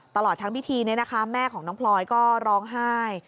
ตลอดทั้งพิธีแม่ของน้องพลอยก็ร้องไห้